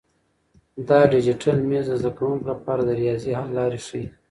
دا ډیجیټل مېز د زده کونکو لپاره د ریاضي حل لارې ښیي.